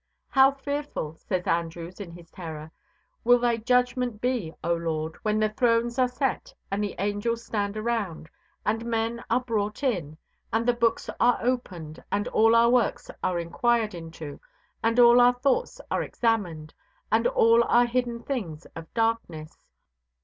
"How fearful," says Andrewes, in his terror, "will Thy judgment be, O Lord, when the thrones are set, and the angels stand around, and men are brought in, and the books are opened, and all our works are inquired into, and all our thoughts are examined, and all the hidden things of darkness!